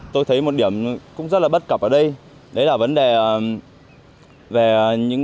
tôi thấy một điểm cũng rất là bất cập ở đây đấy là vấn đề về những bảo hộ khi vui chơi dành cho trẻ em